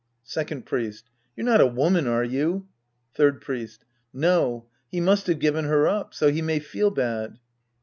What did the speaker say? Second Priest. You're not a woman, are you ? Third Priest. No. He must have given her up. So he may feel bad.